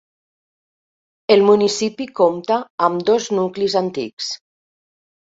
El municipi compta amb dos nuclis antics: